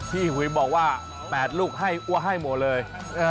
พี่หุยบอกว่า๘ลูกอัวไห้หมดเลย